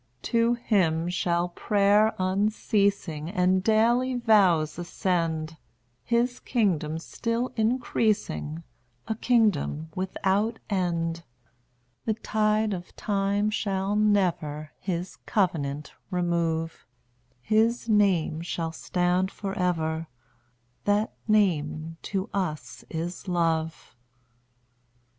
To him shall prayer unceasing, And daily vows ascend; His kingdom still increasing, A kingdom without end. The tide of time shall never His covenant remove; His name shall stand forever, That name to us is Love.